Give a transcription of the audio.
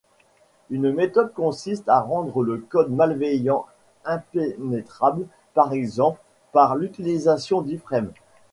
Une méthode consiste à rendre le code malveillant impénétrable, par exemple, par l'utilisation d'iFrames.